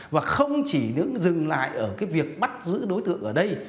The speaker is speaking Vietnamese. và không chỉ dừng lại ở cái việc bắt giữ đối tượng ở đây